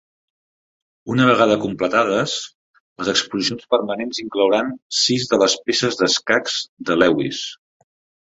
Una vegada completades, les exposicions permanents inclouran sis de les peces d'escacs de Lewis.